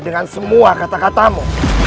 dengan semua kata katamu